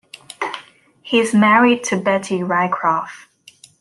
He is married to Betty Roycroft.